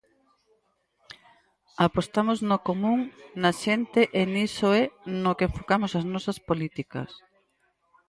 Apostamos no común, na xente e niso é no que enfocamos as nosas políticas.